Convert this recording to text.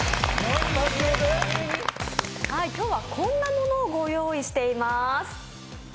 今日はこんなものをご用意しています。